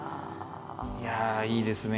いやあいいですね。